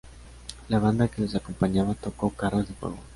La banda que los acompañaba tocó "Carros de fuego".